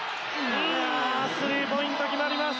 スリーポイントが決まります。